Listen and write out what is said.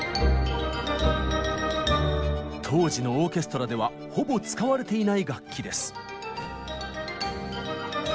当時のオーケストラではほぼ使われていない楽器です。